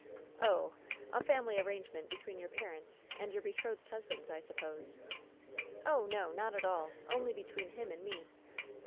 "Oh! a family arrangement between your parents and your betrothed husband's, I suppose ?" "Oh, no; not at all! Only between him and me."